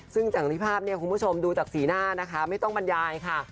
ซึ่งจากที่ภาพ้นี้คุณผู้ชมดูจากสีหน้าไม่ต้องบรรยายนะคะ